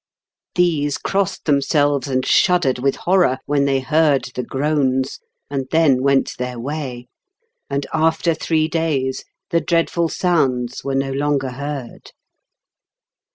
These crossed them selves, and shuddered with horror, when they heard the groans, and then went their way; and after three days the dreadful sounds were no longer heard.